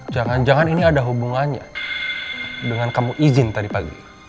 jangan jangan ini ada hubungannya dengan kamu izin tadi pagi